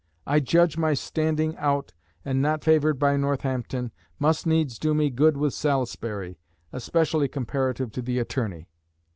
I judge my standing out, and not favoured by Northampton, must needs do me good with Salisbury, especially comparative to the Attorney."